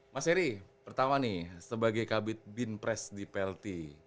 mas eri pertama nih sebagai kabit binpres di plt